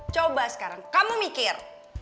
coba sekarang kamu mikir